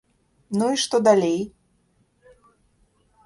Ну і што далей?